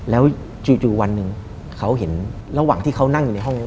แล้วจู่วันหนึ่งเขาเห็นระหว่างที่เขานั่งอยู่ในห้อง